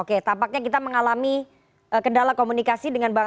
oke tampaknya kita mengalami kendala komunikasi dengan bang andreas